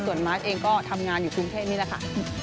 ส่วนมาร์ทเองก็ทำงานอยู่กรุงเทพนี่แหละค่ะ